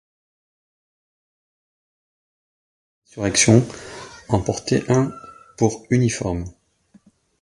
Les agriculteurs qui avaient pris part à l'insurrection en portaient un pour uniforme.